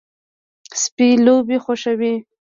سپي لوبې خوښوي.